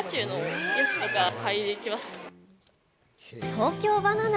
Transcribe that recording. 東京ばな奈。